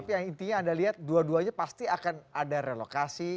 tapi yang intinya anda lihat dua duanya pasti akan ada relokasi